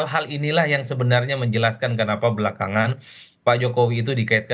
jadi hal hal inilah yang sebenarnya menjelaskan kenapa belakangan pak jokowi itu menjadi golkar